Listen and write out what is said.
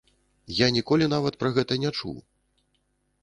Я ніколі нават пра гэта не чуў.